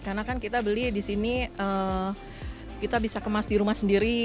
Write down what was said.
karena kan kita beli di sini kita bisa kemas di rumah sendiri gitu